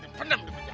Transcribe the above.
kita penem di penjara